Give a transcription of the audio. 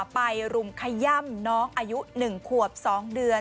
ไปรุมขย่ำน้องอายุ๑ขวบ๒เดือน